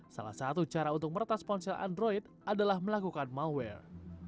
salah satu cara untuk meretas ponsel android adalah melakukan malware